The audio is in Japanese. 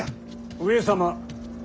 上様。